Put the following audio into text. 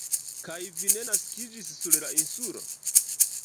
Kaj vi ne naskiĝis sur la lnsulo?